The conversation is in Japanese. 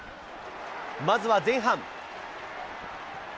まずは前半。